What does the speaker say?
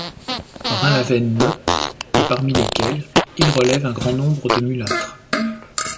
Brun-Lavainne note que parmi lesquels il relève un grand nombre de mulâtres.